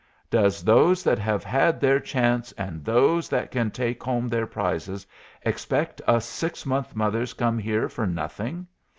Does those that have had their chance and those that can take home their prizes expect us 6 month mothers come here for nothing?